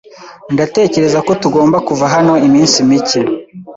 Ndatekereza ko tugomba kuva hano iminsi mike.